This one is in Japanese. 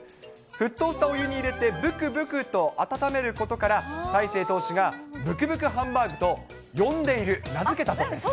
沸騰したお湯に入れて、ぶくぶくと温めることから、大勢投手がぶくぶくハンバーグと呼んでいる、名付けたそうです。